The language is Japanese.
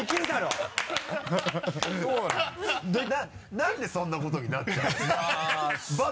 何でそんなことになっちゃうんですか？